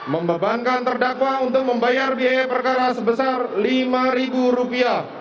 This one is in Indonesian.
membebankan terdakwa untuk membayar biaya perkara sebesar rp lima